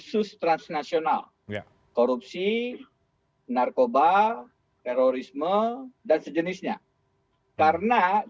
bung reinhardt pp ini terkenal sekali di narapidana tindak kebenaran